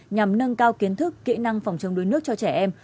nhằm nâng cao kiến thức kỹ năng phòng chống đuối nước cho trẻ em